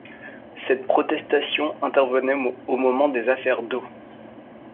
Cette protestation intervenait au moment des affaires d'O.